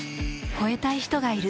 超えたい人がいる。